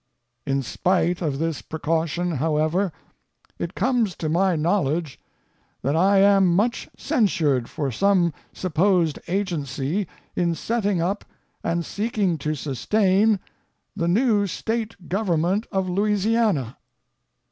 In spite of this precaution, however, it comes to my knowledge that I am much censured for some supposed agency in setting up, and seeking to sustain, the new State government of Louisiana.